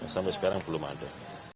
sampai sekarang belum ada